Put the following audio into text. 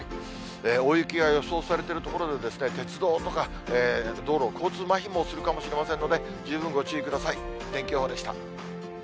大雪が予想されている所で鉄道とか道路、交通まひもするかもしれませんので、十分ご注意ください。